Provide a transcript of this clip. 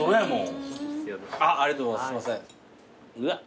うわっ。